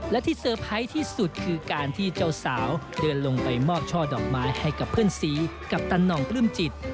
และที่เซอร์ไพรส์ที่สุดคือการที่เจ้าสาวเดินลงไปมอบช่อดอกไม้ให้กับเพื่อนสีกัปตันหน่องปลื้มจิต